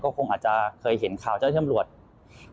ก็คงอาจจะเคยเห็นข่าวเจ้าเฉียมรวจ